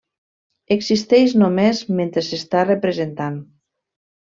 Existeix només mentre s'està representant.